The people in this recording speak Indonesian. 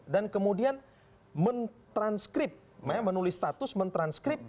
dan kemudian men transkrip menulis status men transkrip